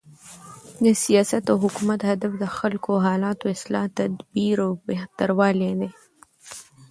د سیاست او حکومت هدف د خلکو د حالاتو، اصلاح، تدبیر او بهتروالی دئ.